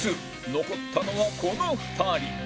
残ったのはこの２人